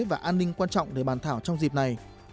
và an ninh quan trọng để bàn thảo trong dịp này